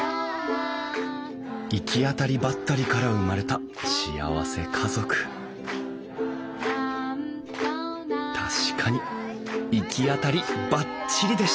いきあたりばったりから生まれた幸せ家族確かにいきあたりバッチリでした！